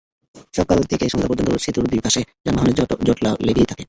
সকাল থেকে সন্ধ্যা পর্যন্ত সেতুর দুই পাশে যানবাহনের জটলা লেগেই থাকে।